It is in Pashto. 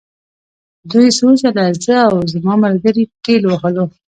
دوی څو ځله زه او زما ملګري ټېل وهلو